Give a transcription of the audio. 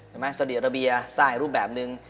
เห็นไหมสวัสดีอัลเบียสร้างอีกรูปแบบหนึ่ง